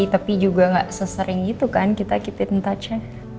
tapi juga gak sesering gitu kan kita keep in touch nya